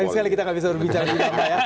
sekali sekali kita tidak bisa berbicara juga pak